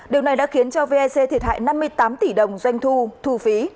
điều này đã khiến cho vec thiệt hại năm mươi tám tỷ đồng doanh thu